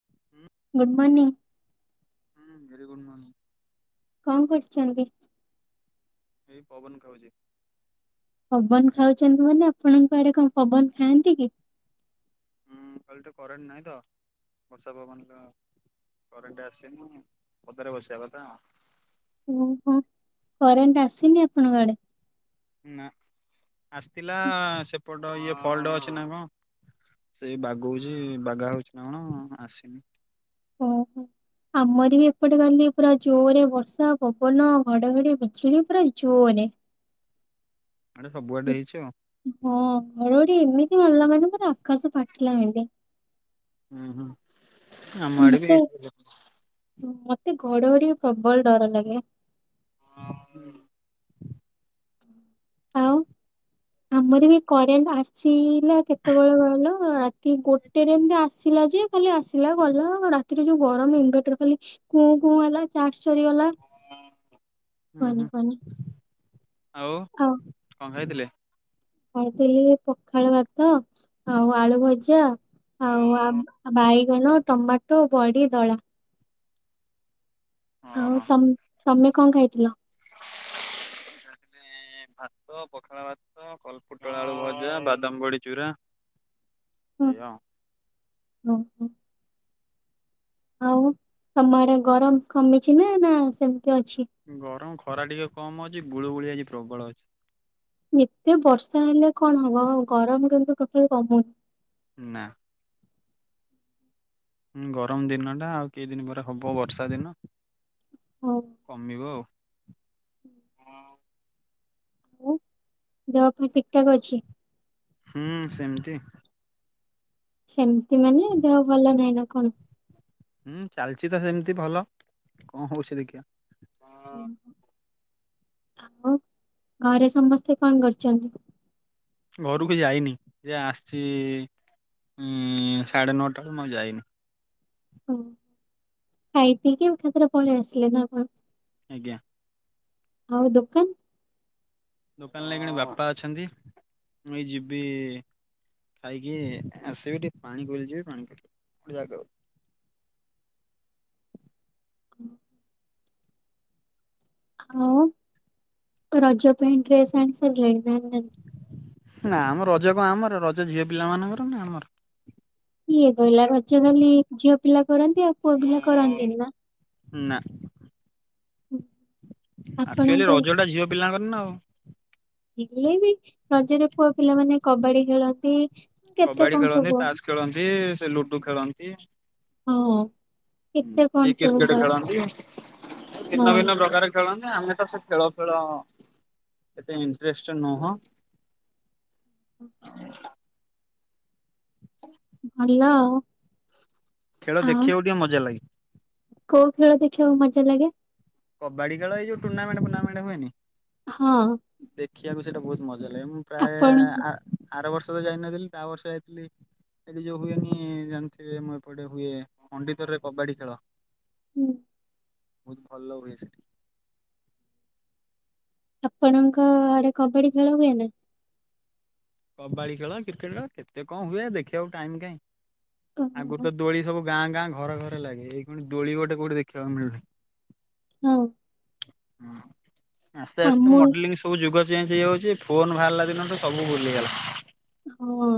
[inaudible] Good morning. ହୁଁ very good morning. କଣ କରୁଚନ୍ତି? ଏଇ ପବନ୍ ଖାଉଚି। ପବନ୍ ଖାଉଚନ୍ତି ମାନେ ଆପଣଙ୍କ ଆଡେ କଣ ପବନ୍ ଖାଆନ୍ତି କି? ହୁଁ କାଲିଠୁ କରେଣ୍ଟ ନାହିଁ ତ ବର୍ଷା ପବନ୍ ରେ କରେଣ୍ଟ ଆସିନି ପଦାରେ ବସିବା କଥା। ଓହୋ, କରେଣ୍ଟ ଆସିନି ଆପଣଙ୍କ ଆଡେ? ନା ଆସିଥିଲା ସେପଟ ଇଏ ଫଲ୍ଟ ଅଛି ନା କଣ ସେଇ ବାଗୋଉଚି ବାଗା ହଉଚି ନା କଣ ଆସିନି। [unintelligible] ଆମର ବି ଏପଟେ କାଲି ପୁରା ଜୋରେ ବର୍ଷା ପବନ ଘଡଘଡି ବିଜୁଳି ପୁରା ଜୋରେ। ଆଡେ ସବୁଆଡେ ହେଇଚି ଆଉ। ହଁ ଘଡଘଡି ଏମିତି ମାରିଲା ମାନେ ପୁରା ଆକାଶ ଫାଟିଲା [unintelligible] ହୁଁ-ହୁଁ ଆମ ଆଡେ ବି ମତେ [unintelligible] ମତେ ଘଡଘଡିକି ପ୍ରବଳ ଡର ଲାଗେ। [inaudible] ଆଉ ଆମର ବି କରେଣ୍ଟ ଆସିଲା କେତବଳେ କହିଲ? ରାତି ଗୋଟେରେ ଏମ୍ତି ଆସିଲା ଯେ ଖାଲି ଆସିଲା ଗଲା, ରାତିରେ ଯୋଉ ଗରମ୍ ଇନ୍ଭେଟର ଖାଲି କୁଁ-କୁଁ ହେଲା ଚାର୍ଜ ସରିଗଲା, ହୁଁ କୁହନି-କୁହନି। ଆଉ ଓ। କଣ ଖାଇଥିଲେ? ଖାଇଥିଲି ଏଇ ପଖାଳ ଭାତ ଆଉ ଆଳୁ ଭଜା। ଆଉ ଓହୋ ବାଇଗଣ ଟମାଟୋ ବଡି ଦଳା। ଆଉ ତମ୍ ତମେ କଣ ଖାଇଥିଲ? ଏ ଭାତ, ପଖାଳ ଭାତ, କଲପୋଟଳ ଆଳୁ ଭଜା, ବାଦାମବଡି ଚୁରା। ହଁ ଏଇଆ ଆଉ। ଓ ହୋ। ଆଉ ତମ ଆଡେ ଗରମ କମିଚି ନା ନା ସେମିତି ଅଛି। ଗରମ ଖରା ଟିକେ କମ ଅଛି ଗୁଳୁ ଗୁଳି ଆଜି ପ୍ରବଳ ଅଛି। ଏତେ ବର୍ଷା ହେଲେ କଣ ହବ ଗରମ କିନ୍ତୁ ଟୋଟାଲି କମୁନି। ନା। ହୁଁ ଗରମ ଦିନଟା ଆଉ କେଇ ଦିନ ପରେ ହବ ବର୍ଷା ଦିନ। ହଁଉ। କମିବ ଆଉ। ହୁଁ ଦେହ ପେହ୍ ଠିକ୍ ଠାକ୍ ଅଛି? ହୁଁ ସେମିତି। ସେମତି ମାନେ ଦେହ ଭଲ ନାହିଁ ନା କଣ? ହୁଁ ଚାଲିଚି ତ ସେମିତି ଭଲ କଣ ହଉଛି ଦେଖିବା। ଓହୋ ଆଉ ଘରେ ସମସ୍ତେ କଣ କରିଛନ୍ତି? ଘରକୁ ଯାଇନି ଯେ ଆସିଛି ଉଁ ସାଢ଼େ ନଅଟାରୁ ମୁଁ ଆଉ ଯାଇନି। ଓ ଖାଇ ପିଇକି ଏକାଥରେ ପଳେଇ ଆସିଲେ ନା କଣ? ଆଜ୍ଞା। ଆଉ ଦୋକାନ୍? ଦୋକାନ ରେ ଏଇଖଣି ବାପା ଅଛନ୍ତି, ମୁଁ ଏଇ ଯିବି- ଖାଇକି ଆସିବି ଟିକେ ପାଣି ବୁଲିଯିବି ପାଣି ଗୋଟେ ଜାଗାକୁ। ହୁ। ଆଉ ରଜ ପାଇଁ ଡ୍ରେସ୍ ଆଣିସାରିଲେଣି ନା ଆଣିନାଇଁ। ନା ମ ରଜ କଁ ଆମର ରଜ ଝିଅ ପିଲା ମାନଙ୍କର ନା ଆମର। କିଏ କହିଲା ରଜ ଖାଲି ଝିଅ ପିଲା କରନ୍ତି ଆଉ ପୁଅ ପିଲା କରନ୍ତିନି ନା। ନା ଆକଚୁଆଲି ଆପଣଙ୍କ ରଜ ଟା ଝିଅ ପିଲାଙ୍କର ନା ଆଉ। ହେଲେ ବି। ରଜରେ ପୁଅ ପିଲାମାନେ କବାଡି ଖେଳନ୍ତି, କେତେ କବାଡି କଣ ଖେଳନ୍ତି ସବୁ ତାସ ଖେଳନ୍ତି ସେ ଲୁ ଡୁ ଖେଳନ୍ତି। ହଁ। କେତେ କଣ କିଏ ସବୁ କ୍ରିକେଟ ଖେଳ ଖେଳନ୍ତି, ଭିନ୍ନ ହଁ ଭିନ୍ନ ପ୍ରକାର ଖେଳନ୍ତି ଆମେ ତ ସେ ଖେଳ ଫେଳ ଏତେ ଇଣ୍ଟରେଷ୍ଟ ନୁହଁ। ହ ହ୍ୟାଲୋ। ଖେଳ ଦେଖିବାକୁ ଟିକେ ମଜା ଲାଗେ। କୋଉ ଖେଳ ଦେଖିବାକୁ ମଜା ଲାଗେ? କବାଡି ଖେଳ, ଏ ଯୋଉ ଟୁର୍ଣ୍ଣାମେଣ୍ଟ ଫୁର୍ଣ୍ଣାମେଣ୍ଟ ହୁଏନି। ହଁ। ଦେଖିବାକୁ ସେଇଟା ବହୁତ ମଜା ଲାଗେ ମୁଁ ପ୍ରାୟେ ଆପଣ ଆ ଆର ବର୍ଷ ତ ଯାଇନଥିଲି ତା ବର୍ଷ ଯାଇଥିଲି। ଏଠି ଯୋଉ ହୁଏନି ଜାଣିଥିବେ ମୁଁ ଏପଟେ ହୁଏ ଖଣ୍ଡିତ ରେ କବାଡି ଖେଳ। ହୁଁ। ବହୁତ ଭଲ ହୁଏ ସେଠି। ଆପଣଙ୍କ ଆଡେ କବାଡି ଖେଳ ହୁଏନା? କବାଡ଼ି ଖେଳ, କ୍ରିକେଟ ଖେଳ କେତେ କଣ ହୁଏ ଦେଖିବାକୁ ଟାଇମ୍ କାଇଁ ଆଗରୁ ଓହୋ ତ ଦୋଳି ସବୁ ଗାଁ ଗାଁ ଘରେ ଘରେ ଲାଗେ ଏଇଖଣି ଦୋଳି ଗୋଟେ କୋଉଠି ଦେଖିବାକୁ ମିଳୁନି। ହଉ। ଆସ୍ତେ ଆମ ଆସ୍ତେ ମଡେଲିଂ ସବୁ ଯୁଗ ଚେଞ୍ଜ ହେଇଯାଉଛି ଫୋନ୍ ବାହାରିଲା ଦିନ ଠୁ ସବୁ ଭୁଲିଗଲା। ହଁଅ।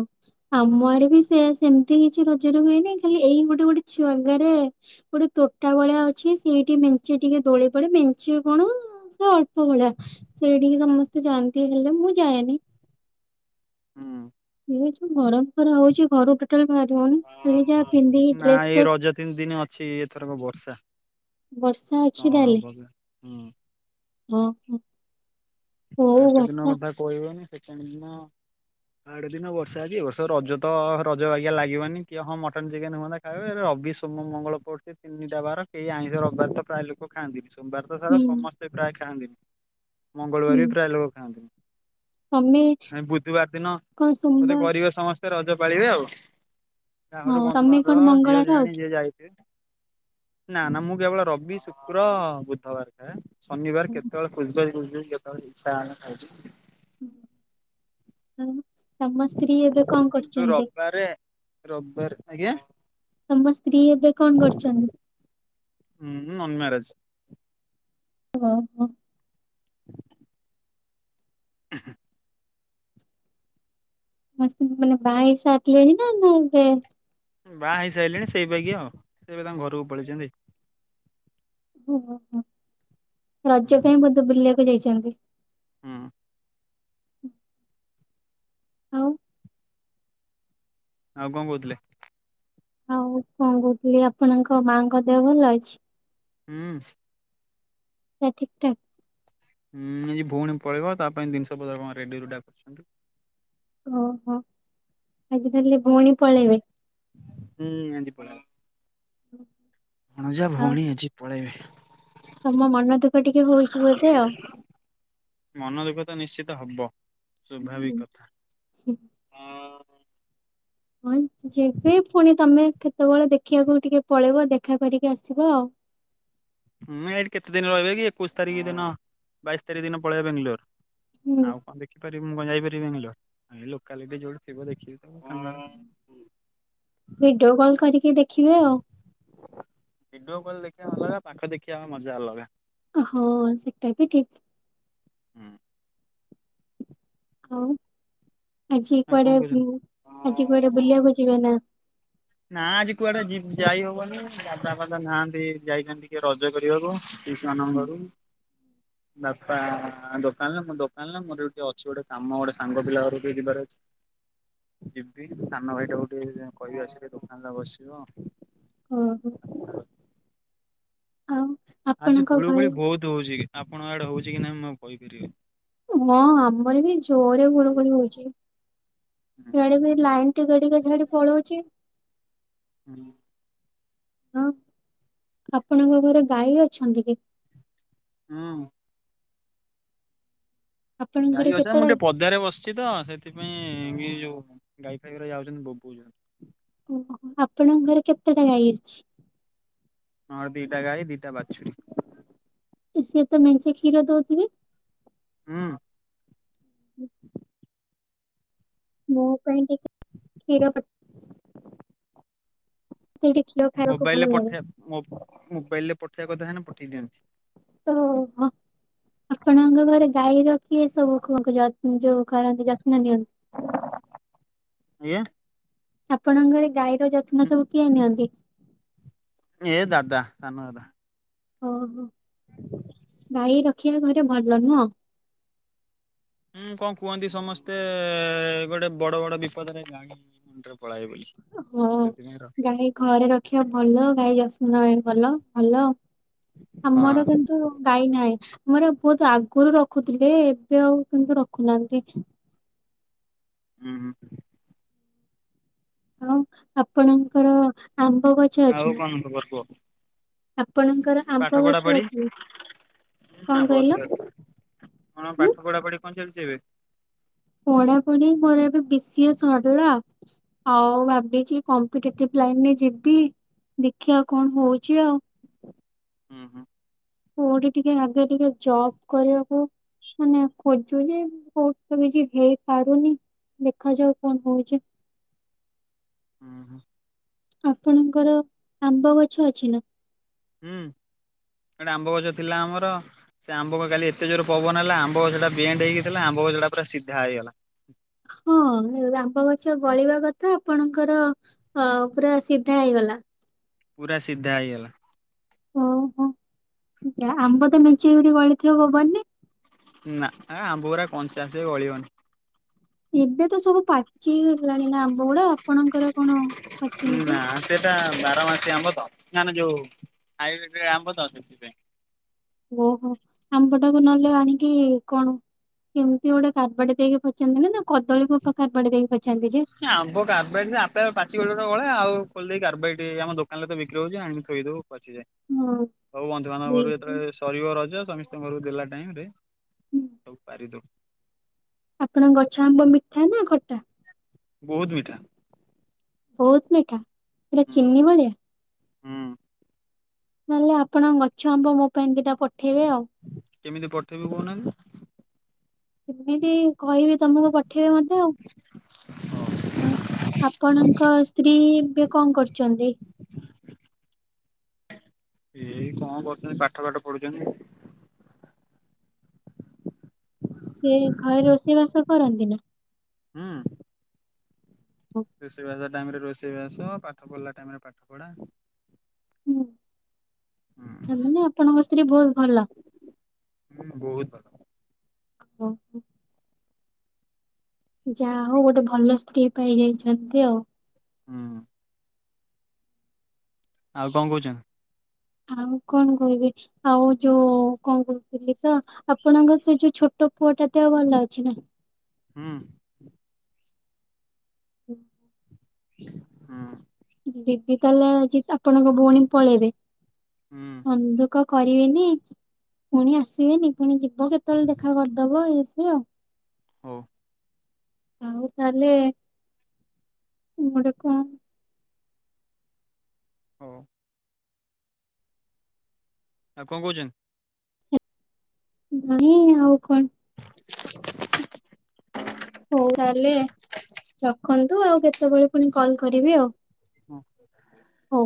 ଆମ ଆଡେ ବି ସେଆ ସେମିତି କିଛି ରଜରେ ହୁଏନି ଖାଲି ଏଇ ଗୋଟେ ଗୋଟେ ଛୁଆଗାରେ ଗୋଟେ ତୋଟା ଭଳିଆ ଅଛି ସେଇଠି ମେଞ୍ଚେ ଟିକେ ଦୋଳି ପଡେ ମେଞ୍ଚେ କଣ ସେ ଅଳ ପ ଭଳିଆ ସେଇଠିକି ସମସ୍ତେ ଯାଆନ୍ତି ହେଲେ ମୁଁ ଯାଏନି। ହୁଁ। ଏ ଯୋଉ ଗରମ ଖରା ହଉଛି ଘରୁ ଟୋଟାଲ ବାହାରି ହଉନି ଖାଲି ଯାହା ପିନ୍ଧିକି ନା ଡ୍ରେସ ଏଇ ଫେସ ରଜ ତିନି ଦିନ ଅଛି ଏଥରକ ବର୍ଷା ବର୍ଷା କଣ ହବ ଏ ହୁଁ। ତୋ। ଫାଷ୍ଟ ଦିନ କଥା କହିହବନି ସେକଣ୍ଡ ଦିନ ଥାଡ ଦିନ ବର୍ଷା ଅଛି ଏ ବର୍ଷ ରଜ ତ ରଜ ବାଗିଆ ଲାଗିବନି ଯେ ହଁ ମଟନ, ଚିକେନ ହୁଅନ୍ତା ଖାଇବେ ରବି, ସୋମ, ମଙ୍ଗଳ ପଡୁଛି ତିନିଟା ବାର କେହି ଆଇଁଷ ରବିବାର ତ ପ୍ରାୟ ଲୋକ ଖାଆନ୍ତିନି, ସୋମବାର ତ ସାରା ହୁଁ ସମସ୍ତେ ପ୍ରାୟ ଖାଆନ୍ତିନି, ହୁଁ ମଙ୍ଗଳବାର ବି ପ୍ରାୟ ଲୋକ ଖାଆନ୍ତିନି। ତମେ ଏ ବୁଧବାର ଦିନ କଣ ବୋଧେ ସୋମବାର କରିବେ ସମସ୍ତେ ରଜ ପାଳିବେ ଆଉ ହଁ ଯାଘାରକୁ ତମେ କଣ ବନ୍ଧୁବାନ୍ଧବ ଝିଅ ମଙ୍ଗଳବାର ଖାଅ ଜୁଆଣି କି? ଯିଏ ଯାଇଥିବେ ନା ନା ମୁଁ କେବଳ ରବି, ଶୁକ୍ର, ବୁଧବାର ଖାଏ ଶନିବାର କେତେବେଳେ [unintelligible] କେତେବେଳେ ଇଚ୍ଛା ହେଲା ଖାଉଛି [unintelligible] ସ୍ତ୍ରୀ ଏବେ କଣ କିନ୍ତୁ କରୁଛନ୍ତି? ରବିବାର ରବିବାର ଆଜ୍ଞା। ତମ ସ୍ତ୍ରୀ ଏବେ କଣ କରିଛନ୍ତି? ହୁଁ ହୁଁ ନନ୍ ମ୍ୟାରେଜ୍। ଓହୋ [inaudible] [inaudible] ସମସ୍ତ ମାନେ ବାହା ସାରିଲେଣି ନା ଏବେ ବାହା ହେଇ ସାରିଲେଣି ସେଇବାଗିଆ ଆଉ ସେ ଏବେ ତାଙ୍କ ଘରକୁ ପଳେଇଛନ୍ତି। ଓ ହୋ ହୋ ହୁଁ ରଜ ପାଇଁ ବୋଧେ ବୁଲିବାକୁ ଯାଇଛନ୍ତି। ହଁ। ଆଉ। ଆଉ କଣ କହୁଥିଲେ? ଆଉ କଣ କହୁଥିଲି ଆପଣଙ୍କ ମା ଙ୍କ ଦେହ ଭଲ ଅଛି? ହୁଁ ପୁରା ଠିକ୍ ଠାକ୍ ହୁଁ ଆଜି ଭଉଣୀ ପଳେଇବ ତାପାଇଁ ଜିନିଷ ପତର କଣ ରେଡ଼ି ରୁଡ଼ା କରୁଛନ୍ତି। ଓହୋ ଆଜି ତାହଲେ ଭଉଣୀ ପଳେଇବେ? ହୁଁ ଆଜି ପଳେଇବ। ମୁଁ ଜା ଆଉ ଭଉଣୀ ହେଉଛି ପଳେଇବେ। ତମ ମନ ଦୁଃଖ ଟିକେ ହଉଛି ବୋଧେ ଆଉ? ମନ ଦୁଃଖ ତ ନିଶ୍ଚିତ ହବ, ସ୍ୱଭାବିକ ହୁଁ କଥା, ହଁ। ହଁ ଯେବେ ପୁଣି ତମେ କେତେବେଳେ ଦେଖିବାକୁ ବି ଟିକେ ପଳେଇବ, ଦେଖା କରିକି ଆସିବ ଆଉ। ହୁଁ ଏଇଠି କେତେ ଦିନ ରହିବେ କି ଏକୋଇଶ ତାରିଖ ଦିନ ବାଇଶ ତାରିଖ ଦିନ ପଳେଇବେ। [unintelligible] ହୁଁ ଆଉ କଣ ଦେଖିପାରିବି ମୁଁ କଣ ଯାଇପାରିବି ବାଙ୍ଗଲୋର ଲୋକାଲିଟି ଯୋଉଠି ଥିବ ଦେଖିବି ତ ଭିଡିଓ କଲ କରିକି ଦେଖିବେ ଆଉ। ଭିଡିଓ କଲ ଦେଖିବା ଅଲଗା, ପାଖ ଦେଖିବା ମଜା ଅଲଗା। ଓ ହୋ ସେଟା ବି ଠିକ୍। ହୁଁ ଆଉ ଆଜି ଆଉ କଣ କୁଆଡେ କହୁଛନ୍ତି? ଆଜି କୁଆଡେ ବୁଲିବାକୁ ଯିବ ନା? ନା ଆଜି କୁଆଡେ ଯିବ ଯାଇ ହବନି ଦାଦା ଫାଦା ନାହାନ୍ତି ଯାଇଛନ୍ତି ଟିକେ ରଜ କରିବାକୁ। ପିଶନଙ୍କରୁ [inaudible] ବାପା ଦୋକାନରେ ମୁଁ ଦୋକାନରେ ମୋର ଟିକେ ଅଛି ଗୋଟେ କାମ ଗୋଟେ ସାଙ୍ଗ ପିଲା ଘର ଟିକେ ଯିବାର। [inaudible] ଯିବି, ସାନ ଭାଇଟାକୁ ଟିକେ କହିଆସିବି ଦୋକାନ ରେ ବସିବ। ଓହୋ। ଆଉ। ଆଜି ଆପଣଙ୍କ ଘରେ ଗୁଳୁଗୁଳି ବହୁତ ହଉଛି କି, ଆପଣ ଆଡେ ହଉଛି କି ନାଇଁ ମୁଁ ଆଉ କହିପାରିବି। ହଁ ଆମର ବି ଜୋରରେ ଘଳ ଘୋଳି ହଉଛି, ଏଆଡେ ବି ଲାଇନ୍ [unintelligible] ପଳଉଛି ହୁଁ। ହଁ ଆପଣଙ୍କ ଘରେ ଗାଈ ଅଛନ୍ତି କି। ହୁଁ। ଆପଣଙ୍କ ଘରେ ଗାଈ ଅଛନ୍ତି ମୁଁ କେତେଟା ଟିକେ ପଦାରେ ବସ ଅଛି ତ ସେଥିପାଇଁ କି ଯୋଉ ଗାଈ ଫାଇ ଗୁରା ଯାଉଛନ୍ତି ବୋବୁଛନ୍ତି। ଓହୋ ଆପଣଙ୍କ ଘରେ କେତେଟା ଗାଈ ଅଛି? ହଁ ଦିଟା ଗାଈ ଦିଇାଟା ବାଛୁରୀ। ସିଏ ତ ମେଞ୍ଚେ କ୍ଷୀର ଦଉଥିବେ? ହୁଁ। [unintelligible] ମୋ ପାଇଁ ଟିକେ କ୍ଷୀର [unintelligible] [unintelligible] ଭଲ ମୋବାଇଲରେ ଲାଗେ ପଠେଇବା ମୋବ ମୋବାଇଲ ରେ ପଠେଇବା କଥା ହେନ ପଠେଇ ଦିଅନ୍ତି। ତ ଆପଣଙ୍କ ଘରେ ଗାଈ ର କିଏ ସବୁ [unintelligible] ଯୋଉ କରନ୍ତି ଜତ୍ନ ଆଜ୍ଞା ନିଅନ୍ତି। ଆପଣଙ୍କ ଘରେ ଗାଈର ଯତ୍ନ ସବୁ କିଏ ନିଅନ୍ତି? ଏଇ ଦାଦା ସାନ ଦାଦା। ଓହୋ ଗାଈ ରଖିବା ଘରେ ଭଲ ନୁହଁ। ହୁଁ କଣ କୁହନ୍ତି ସମସ୍ତେ ଗୋଟେ ବଡ ବଡ ବିପଦରେ ଜାଣେ ଗାଈ ମୁଣ୍ଡରେ ପଳାଏ ବୋଲି। ହଁ ସେଥିପାଇଁ ଗାଈ ଘରେ ରଖିବା ଭଲ ଗାଈ ଯତ୍ନ ନବା ଭଲ ଭଲ। ଆମର ହଁ ଗାଈ ନାହିଁ ମୋର ବହୁତ ଆଗରୁ ରଖୁଥିଲେ ଏବେ ଆଉ କିନ୍ତୁ ରଖୁନାହାନ୍ତି। ହୁଁ ହୁଁ। ହଁ ଆପଣଙ୍କର ଆମ୍ବ ଗଛ ଅଛି ଆଉ ନା କଣ ଖବର କୁହ ଆପଣ ଆପଣଙ୍କର ପାଠ ଆମ୍ବ ପଢା ଗଛ ପଢି ଅଛି ନା କଣ କହିଲ? ବସ କଣ ହୁଁ ପାଠ ପଢା ପଢି କଣ ଚାଲିଛି ଏବେ? ପଢା ପଢ଼ି ମୋର ଏବେ ବି ସି ଏ ସରିଲା ଆଉ ଭାବିଛି। କମ୍ପିଟେଟିଭ ଲାଇନରେ ଯିବି ଦେଖିବା କଣ ହଉଛି ଆଉ। ହୁଁ ହୁଁ। କୋଉଠି ଟିକେ ଆଗେ ଟିକେ ଜବ କରିବାକୁ। ମାନେ ଖୋଜୁଛି ଯେ କୋଉଠି ତ କିଛି ହେଇପାରୁନି ଦେଖାଯାଉ କଣ ହଉଛି? ହୁଁ ହୁଁ। ଆପଣଙ୍କର ଆମ୍ବ ଗଛ ଅଛି ନା? ହୁଁ ଗୋଟେ ଆମ୍ବ ଗଛ ଥିଲା ଆମର। ସେ ଆମ୍ବ କାଲି ଏତେ ଜୋର ପବନ ହେଲା ଆମ୍ବ ଗଛ ଟା ବେଣ୍ଡ ହେଇକିଥିଲା ଆମ୍ବ ଗଛ ଟା ପୁରା ସିଧା ହେଇଗଲା। ହଁ ଆମ୍ବ ଗଛ ଗଳିବା କଥା ଆପଣଙ୍କର ହଁ ପୁରା ସିଧା ହେଇଗଲା। ପୁରା ସିଧା ହେଇଗଲା। ଓହୋ ଆମ୍ବ ତ ମିଞ୍ଚେଇ ଗୁଡେ ଗଳିଥିବ ପବନରେ। ନା ଆ ଆମ୍ବ ଗୁରା କଞ୍ଚା ସେ ଗଳିବନି। ଏବେ ତ ସବୁ ପାଚି ଗଲାଣି ନା ଆମ୍ବ ଗୁଡା ଆପଣଙ୍କର କଣ ପାଚିନି ନା ଯେ? ସେଟା ବାରମାସି ଆମ୍ବ ତ ମାନେ ଯୋଉ ହାଇବ୍ରିଡ ଆମ୍ବ ତ ସେଥିପାଇଁ। ଓହୋ ଆମ୍ବଟାକୁ ନହେଲେ ଆଣିକି କଣ କେମିତି ଗୋଟେ କାରବାଡି ଦେଇକି ହେମିନ୍ତି ନା କଦଳୀକୁ କାର୍ବେଟ ଦେଇକି ପଚାନ୍ତି ଯେ। ଆମ୍ୱ କାରବାଇଟ୍ ରେ ଆପେ ପାଚି ଗଲେ ଆଉ ଖୋଲିଦେଇ କାରବାଇଟ ଆମ ଦୋକାନରେ ତ ବିକ୍ରି ହଉଛି ଆଣିକିଥୋଇଦବ ପାଚିଯାଏ। ହଁ ହଉ ବନ୍ଧୁବାନ୍ଧବ ଘରୁ ଦେଇଦେବେ। ଯେତେବେଳେ ସରିବ ରଜ ସମସ୍ତଙ୍କ ଘରକୁ ଦେଲା ଟାଇମରେ ହୁଁ ସବୁ ପାରିଦଉ। ଆପଣଙ୍କ ଗଛ ଆମ୍ବ ମିଠା ନା ଖଟା? ବହୁତ ମିଠା। ବହୁତ ମିଠା ପୁରା ହୁଁ ଚିନି ଭଳିଆ। ହୁଁ। ନହେଲେ ଆପଣଙ୍କ ଗଛ ଆମ୍ବ ମୋ ପାଇଁ ଦିଟା ପଠେଇବେ ଆଉ। କେମିତି ପଠେଇବି କହୁନାହାନ୍ତି? କେମିତି କହିବି ତମକୁ ପଠେଇବେ ମତେ ଆଉ। ଆଉ ଆପଣଙ୍କ ସ୍ତ୍ରୀ ଏବେ କଣ କରୁଛନ୍ତି? ଏଇ କଣ କରୁଛନ୍ତି ପାଠ ପାଠ ପଢୁଛନ୍ତି। ସିଏ ଘରେ ରୋଷେଇ ବାସ କରନ୍ତିନି? ହୁଁ। ରୋଷେଇବାଷ ଟାଇମ ରେ ରୋଷେଇବାସ ପାଠ ପଢିଲା ଟାଇମ ରେ ପାଠ ପଢା। ହୁଁ ତାମାନେ ଆପଣଙ୍କ ସ୍ତ୍ରୀ ବହୁତ ଭଲ। ହୁଁ ବହୁତ ଭଲ। [inaudible] ଯା ହଉ ଗୋଟେ ଭଲ ସ୍ତ୍ରୀ ପାଇ ଯାଇଛନ୍ତି ଆଉ। ହଁ। ଆଉ କଣ କହୁଛନ୍ତି? ଆଉ କଣ କହିବି ଆଉ ଯୋଉ କଣ କହୁଥିଲି ତ? ଆପଣଙ୍କ ସେ ଯୋଉ ଛୋଟ ପୁଅଟା ଦେହ ଭଲ ଅଛି ନା? ହୁଁ। ହଁ। ଦିଦି କଲା ଆଜି ଆପଣଙ୍କ ଭଉଣୀ ପଳେଇବେ। ହୁଁ। ମନ ଦୁଃଖ କରିବେନି ପୁଣି ଆସିବେନି ପୁଣି ଯିବ କେତେବେଳେ ଦେଖା କରିଦବ ଇଏ ସେ। [unintelligible] ହଉ। ଆଉ ତାହେଲେ ଗୋଟେ କଣ? ହଉ। ଆଉ କଣ କରୁଚନ୍ତି? ନାଇଁ ଆଉ କଣ। ହଉ ତାହାଲେ। ରଖନ୍ତୁ ଆଉ କେତେ କେତେବେଳେ ପୁଣି କଲ୍ କରିବି ଆଉ। ହଁ। ହଉ।